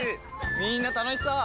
みんな楽しそう！